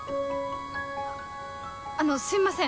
あのすいません